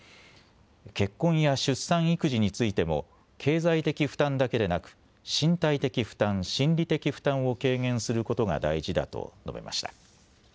結婚や出産育児についても経済的負担だけでなく身体的負担、心理的負担を軽減することが大事だと述べました。